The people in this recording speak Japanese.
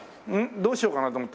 どうしようかなと思って。